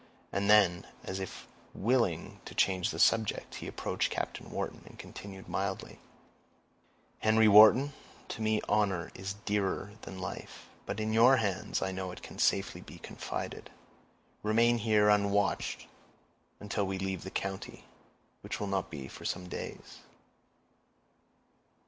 And then, as if willing to change the subject, he approached Captain Wharton, and continued, mildly,— "Henry Wharton, to me honor is dearer than life; but in your hands I know it can safely be confided. Remain here unwatched until we leave the county, which will not be for some days."